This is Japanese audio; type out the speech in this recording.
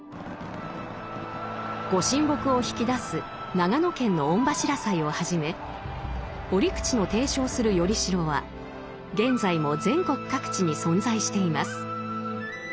御神木を曳き出す長野県の御柱祭をはじめ折口の提唱する依代は現在も全国各地に存在しています。